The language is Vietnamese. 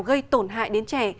gây tổn hại đến trẻ